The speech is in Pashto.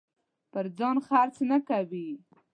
پر ځان خرڅ نه کوي.